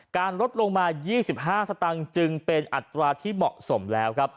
ลดลงมา๒๕สตางค์จึงเป็นอัตราที่เหมาะสมแล้วครับ